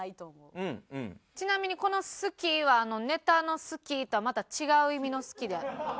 ちなみにこの「好き」はネタの「好き」とはまた違う意味の「好き」で？